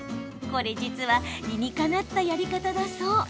これ実は理にかなったやり方だそう。